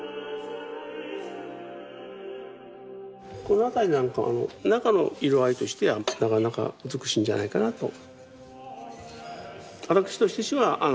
この辺りなんか中の色合いとしてはなかなか美しいんじゃないかなと。